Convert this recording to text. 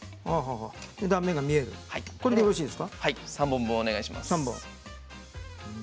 ３本分お願いします。